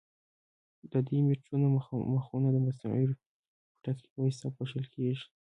د دې میټرونو مخونه د مصنوعي پوټکي په واسطه پوښل کېږي.